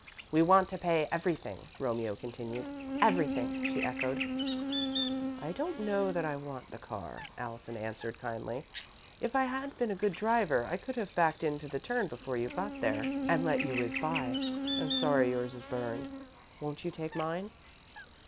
"We want to pay everything," Romeo continued. "Everything," she echoed. "I don't know that I want the car," Allison answered, kindly. "If I had been a good driver, I could have backed into the turn before you got there and let you whiz by. I'm sorry yours is burned. Won't you take mine?"